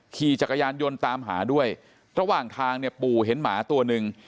ขี่จักรยานยนต์ตามหาด้วยระหว่างทางเนี่ยปู่เห็นหมาตัวหนึ่ง